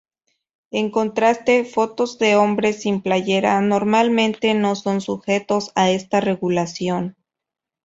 En contraste, fotos de hombres sin playera normalmente no son sujetos a esta regulación.